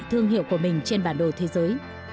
thương hiệu của mình trên bản đồ thế giới